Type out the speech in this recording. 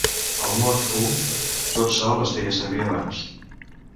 El mot "foo" tot sol es feia servir abans.